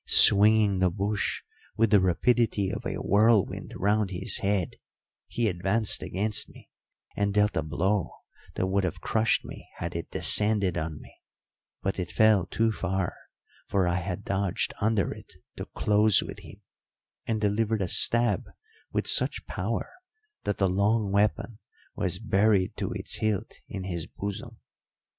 Swinging the bush with the rapidity of a whirlwind round his head, he advanced against me and dealt a blow that would have crushed me had it descended on me; but it fell too far, for I had dodged under it to close with him, and delivered a stab with such power that the long weapon was buried to its hilt in his bosom.